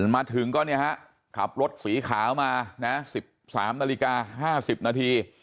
มาถึงก็เนี่ยฮะขับรถสีขาวมา๑๓นาฬิกา๕๐นาที